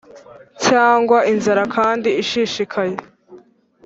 cyangwa, inzara kandi ishishikaye,